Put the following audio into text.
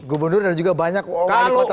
gubernur dan juga banyak wali kota wali kota